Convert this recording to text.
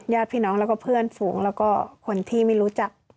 ญาติพี่น้องแล้วก็เพื่อนฝูงแล้วก็คนที่ไม่รู้จัก